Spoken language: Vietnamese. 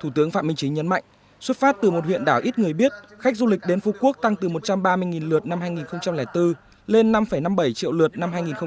thủ tướng phạm minh chính nhấn mạnh xuất phát từ một huyện đảo ít người biết khách du lịch đến phú quốc tăng từ một trăm ba mươi lượt năm hai nghìn bốn lên năm năm mươi bảy triệu lượt năm hai nghìn một mươi ba